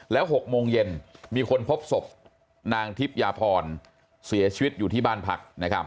แล้ว๖โมงเย็นมีคนพบศพนางทิพยาพรเสียชีวิตอยู่ที่บ้านพัก